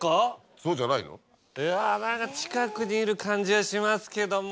そうじゃないの？いや近くにいる感じはしますけども。